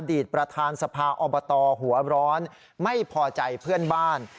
ประธานสภาอบตหัวร้อนไม่พอใจเพื่อนบ้าน